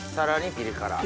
ピリ辛。